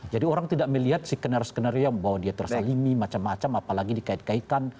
jadi orang tidak melihat skenario skenario bahwa dia tersalimi macam macam apalagi dikait kaitan